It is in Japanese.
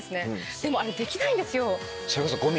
でもあれできないんですよ。